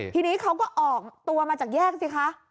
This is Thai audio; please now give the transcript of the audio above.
ทีนี้เขาก็ออกตัวมาจากแยกสิคะ